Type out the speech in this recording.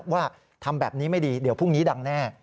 ว่าทำแบบนี้ไม่ดีเดี๋ยวพรุ่งนี้ดังแน่